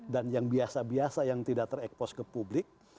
dan yang biasa biasa yang tidak terekpos ke publik